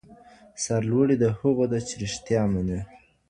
سرلوړي د هغو ده چي رښتیا مني.